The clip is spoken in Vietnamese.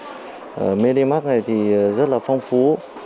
ở medimark này thì rất là phong phú